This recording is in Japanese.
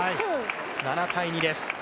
７−２です。